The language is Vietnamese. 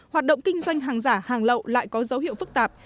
hoạt động kinh doanh hàng giả hàng lậu lại có dấu hiệu phức tạp